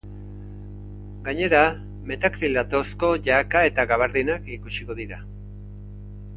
Gainera, metakrilatozko jaka eta gabardinak ikusiko dira.